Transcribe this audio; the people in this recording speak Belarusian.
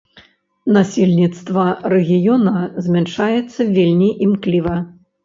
Насельніцтва рэгіёна змяншаецца вельмі імкліва.